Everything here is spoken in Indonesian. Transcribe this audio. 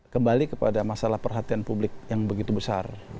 kembali kepada masalah perhatian publik yang begitu besar